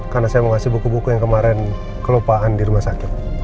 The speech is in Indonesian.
karena saya mau ngasih buku buku yang kemarin kelupaan di rumah sakit